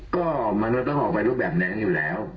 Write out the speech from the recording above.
ก็มนุษย์ต้องออกไปรูปแบบนั้นอยู่แล้ว